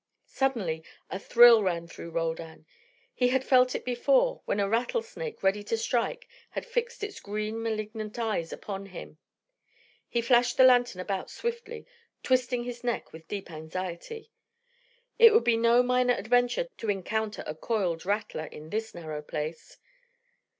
Suddenly a thrill ran through Roldan. He had felt it before when a rattlesnake, ready to strike, had fixed its green malignant eyes upon him. He flashed the lantern about swiftly, twisting his neck with deep anxiety. It would be no minor adventure to encounter a coiled rattler in this narrow place.